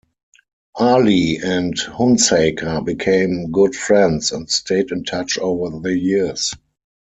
Ali and Hunsaker became good friends and stayed in touch over the years.